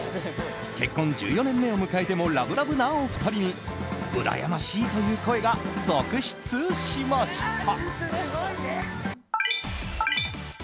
結婚１４年目を迎えてもラブラブなお二人にうらやましいという声が続出しました。